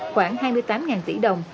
khoảng hai mươi tám tỷ đồng